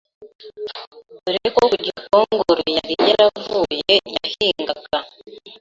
dore ko ku Gikongoro yari yaravuye yahingaga